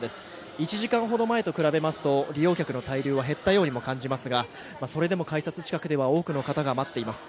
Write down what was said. １時間ほど前と比べますと利用客の滞留は減ったようにも感じますがそれでも改札近くでは多くの方が待っています。